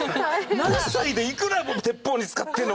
何歳でいくら鉄砲に使ってんの？